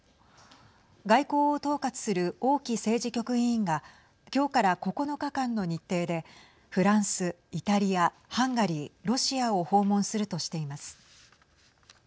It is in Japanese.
外交を統括する王毅政治局委員が今日から９日間の日程でフランス、イタリアハンガリー、ロシアを訪問するとしています。